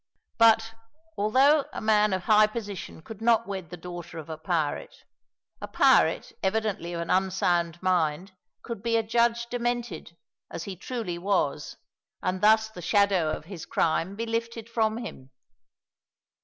But, although a man of high position could not wed the daughter of a pirate, a pirate, evidently of an unsound mind, could be adjudged demented, as he truly was, and thus the shadow of his crime be lifted from him.